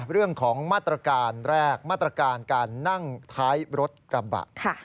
เรื่องของมาตรการแรกมาตรการการนั่งท้ายรถกระบะ